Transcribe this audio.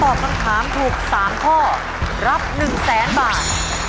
ตอบคำถามถูก๓ข้อรับ๑๐๐๐๐๐บาท